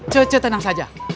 cece tenang saja